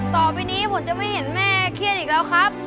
ต่อไปนี้ผมจะไม่เห็นแม่เครียดอีกแล้วครับ